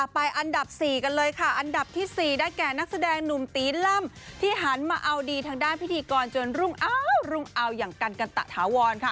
ไปอันดับ๔กันเลยค่ะอันดับที่๔ได้แก่นักแสดงหนุ่มตีล่ำที่หันมาเอาดีทางด้านพิธีกรจนรุ่งเอาอย่างกันกันตะถาวรค่ะ